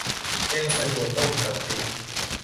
แกงสายบัวต้มกะทิ